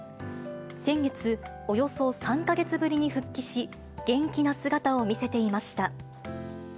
先月、およそ３か月ぶりに復帰し、元気な姿を見せていました。